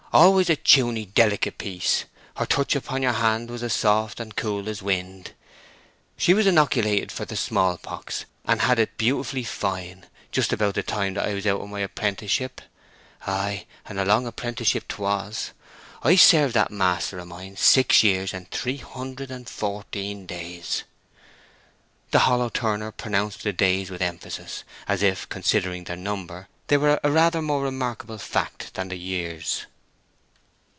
"Always a teuny, delicate piece; her touch upon your hand was as soft and cool as wind. She was inoculated for the small pox and had it beautifully fine, just about the time that I was out of my apprenticeship—ay, and a long apprenticeship 'twas. I served that master of mine six years and three hundred and fourteen days." The hollow turner pronounced the days with emphasis, as if, considering their number, they were a rather more remarkable fact than the years.